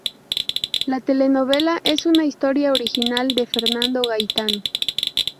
La telenovela es una historia original de Fernando Gaitán.